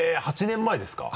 ８年前です。